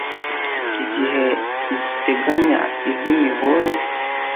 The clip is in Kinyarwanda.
Igihe ngiteganya iz'imihore!